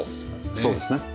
そうですね。